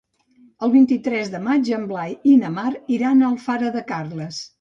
El vint-i-tres de maig en Blai i na Mar iran a Alfara de Carles.